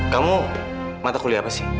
kamu mata kuliah apa sih